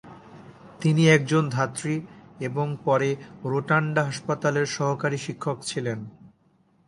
তিনি একজন ধাত্রী এবং পরে রোটানডা হাসপাতালের সহকারী শিক্ষক ছিলেন।